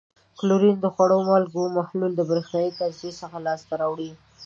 کلورین د خوړو مالګې د محلول برېښنايي تجزیې څخه لاس ته راوړي.